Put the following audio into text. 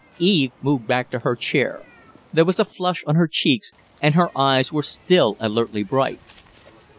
Eve moved back to her chair. There was a flush on her cheeks and her eyes were still alertly bright.